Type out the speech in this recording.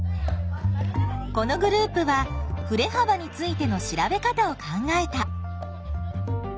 このグループはふれ幅についての調べ方を考えた。